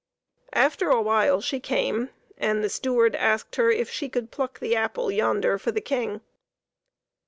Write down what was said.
After a while she came, and the steward asked her if she could pluck the apple yonder for the King.